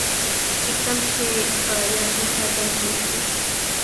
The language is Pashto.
چې کم شی په یاد وساتې پوه شوې!.